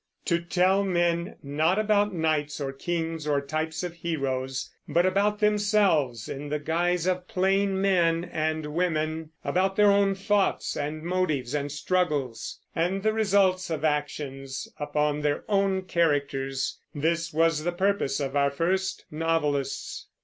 To tell men, not about knights or kings or types of heroes, but about themselves in the guise of plain men and women, about their own thoughts and motives and struggles, and the results of actions upon their own characters, this was the purpose of our first novelists.